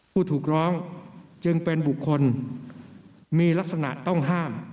ผู้ถูกร้องจึงเป็นบุคคลมีลักษณะต้องห้าม